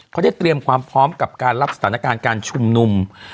เขาได้เตรียมความพร้อมกับการรับสถานการณ์การชุมนุม